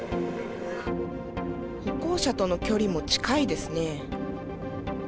歩行者との距離も近いですね。